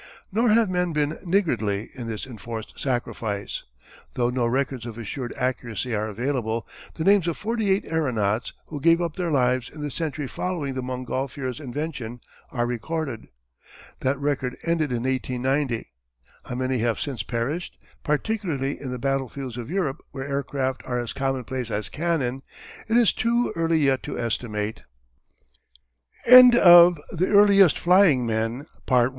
Nor have men been niggardly in this enforced sacrifice. Though no records of assured accuracy are available, the names of forty eight aeronauts who gave up their lives in the century following the Montgolfiers' invention are recorded. That record ended in 1890. How many have since perished, particularly on the battlefields of Europe where aircraft are as commonplace as cannon, it is too early yet to estimate. [Illustration: Montgolfier's Passenger Balloon.